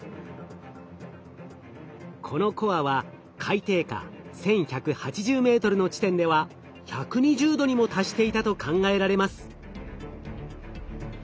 このコアは海底下１，１８０ｍの地点では１２０℃にも達していたと考えられます。